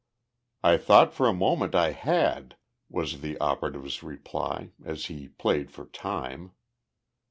"I thought for a moment I had," was the operative's reply, as he played for time.